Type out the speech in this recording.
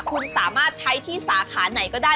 คุณสามารถใช้ที่สาขาไหนก็ได้